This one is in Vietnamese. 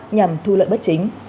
nhằm thu lợi bất chính